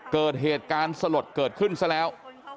เกิดเหตุการณ์สลดเกิดขึ้นซะแล้ว